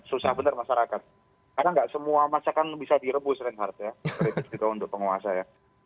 susah benar masyarakat karena enggak semua masakan bisa direbus rehan hart ya